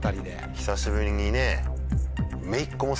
久しぶりにね。